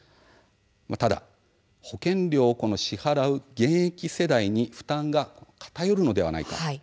ただ、保険料を支払う現役世代に負担が偏るのではないか。